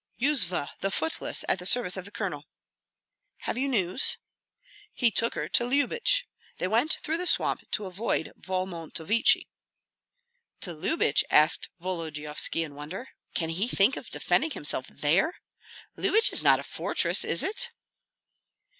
"Yuzva the Footless at the service of the colonel." "Have you news?" "He took her to Lyubich. They went through the swamp to avoid Volmontovichi." "To Lyubich?" asked Volodyovski, in wonder. "Can he think of defending himself there? Lyubich is not a fortress, is it?"